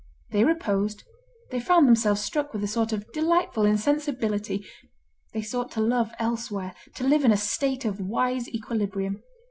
They reposed, they found themselves struck with a sort of delightful insensibility, they sought to love elsewhere, to live in a state of wise equilibrium.